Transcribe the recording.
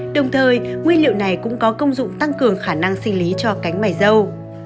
đồng thời nguyên liệu này cũng có công dụng tăng cường khả năng sinh lý cho cánh mày dâu